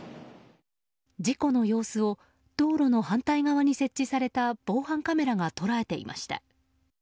事故の様子を道路の反対側に設置された防犯カメラが捉えていました。